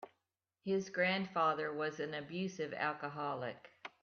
His grandfather was an abusive alcoholic.